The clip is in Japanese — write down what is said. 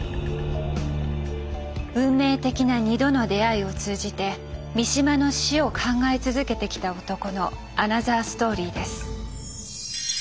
運命的な２度の出会いを通じて三島の死を考え続けてきた男のアナザーストーリーです。